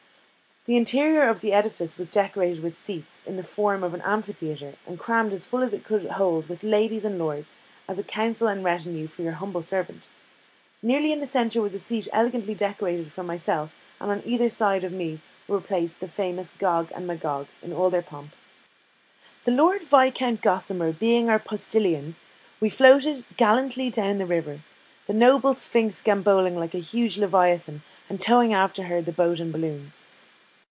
The interior of the edifice was decorated with seats, in the form of an amphitheatre, and crammed as full as it could hold with ladies and lords, as a council and retinue for your humble servant. Nearly in the centre was a seat elegantly decorated for myself, and on either side of me were placed the famous Gog and Magog in all their pomp. The Lord Viscount Gosamer being our postillion, we floated gallantly down the river, the noble Sphinx gambolling like the huge leviathan, and towing after her the boat and balloons.